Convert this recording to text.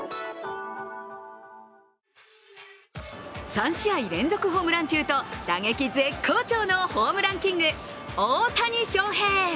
３試合連続ホームラン中と打撃絶好調のホームランキング・大谷翔平。